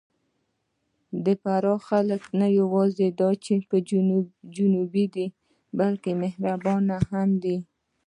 د فراه خلک نه یواځې دا چې جنوبي دي، بلکې مهربانه هم دي.